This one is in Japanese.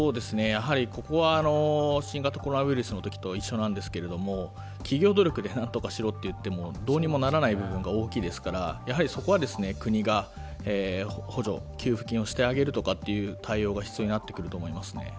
ここは新型コロナウイルスのときと一緒なんですけれども企業努力で何とかしろといわれてもどうにもならない部分が大きいですからそこは国が補助、給付金をしてあげるとかという対応が必要になってくると思います。